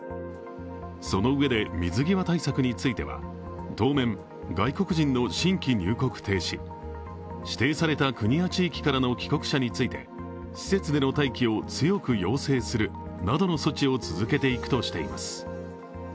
そのうえで、水際対策については当面、外国人の新規入国停止、指定された国や地域からの帰国者について施設での待機を強く要請するなどの措置を続けていくとしています。